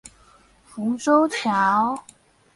浮洲橋